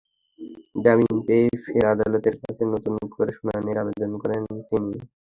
জামিন পেয়েই ফের আদালতের কাছে নতুন করে শুনানির আবেদন করেন তিনি।